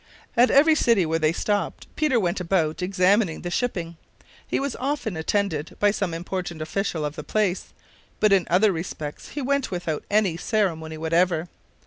At every city where they stopped Peter went about examining the shipping. He was often attended by some important official person of the place, but in other respects he went without any ceremony whatever.